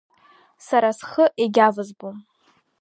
Сара схы егьавызбом.